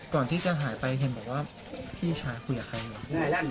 ก่อนที่จะหายไปเห็นบอกว่าพี่ชายคุยกับใครเหรอ